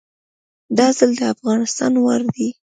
دا ځل د افغانستان وار دی